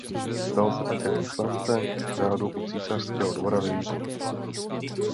Stal se také vyslance řádu u císařského dvora ve Vídni.